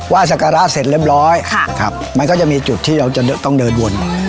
สักการะเสร็จเรียบร้อยมันก็จะมีจุดที่เราจะต้องเดินวน